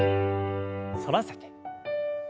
反らせて。